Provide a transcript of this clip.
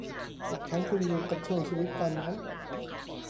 อีกทั้งขึ้นอยู่กับช่วงชีวิตตอนนั้น